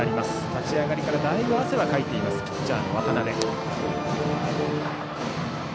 立ち上がりからだいぶ汗をかいていますピッチャーの渡部。